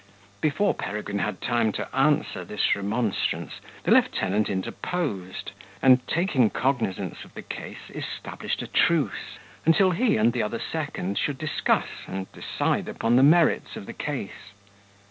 Before Peregrine had time to answer this remonstrance, the lieutenant interposed, and taking cognizance of the case, established a truce, until he and the other second should discuss and decide upon the merits of the case.